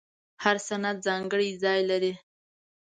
هر سند ځانګړی ځای لري.